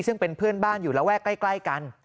ซึ่งเป็นเพื่อนบ้านอยู่ระแวกใกล้กัน